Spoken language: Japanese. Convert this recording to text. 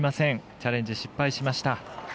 チャレンジ失敗しました。